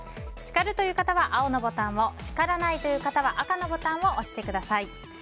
叱るという方は青のボタンを叱らないという方は赤のボタンを押してください。